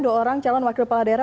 seorang calon wakil kepala daerah